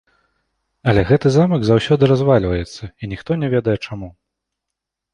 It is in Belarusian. Але гэты замак заўсёды развальваецца, і ніхто не ведае, чаму.